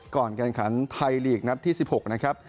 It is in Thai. ก่อนการขันไทยลีกนัดที่๑๖นะครับ